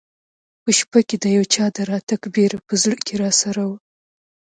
په شپه کې د یو چا د راتګ بېره په زړه کې راسره وه.